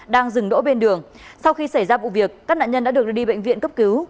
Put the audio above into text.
đang dừng đỗ bên đường sau khi xảy ra vụ việc các nạn nhân đã được đưa đi bệnh viện cấp cứu